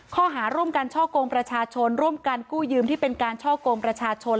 ข้อหาร่วมกันช่อกงประชาชนร่วมกันกู้ยืมที่เป็นการช่อกงประชาชน